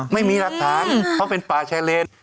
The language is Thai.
ไม่มีหลักฐานเพราะเป็นป่าชายเลน